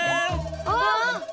あっ！